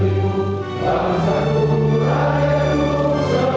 hidup tanahku berdekatan bangsa